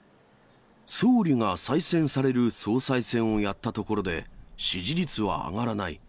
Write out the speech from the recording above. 総理が再選される総裁選をやったところで、支持率は上がらない。